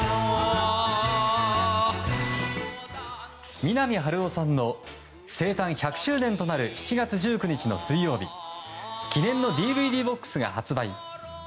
三波春夫さんの生誕１００周年となる７月１９日の水曜日記念のＤＶＤボックスが発売。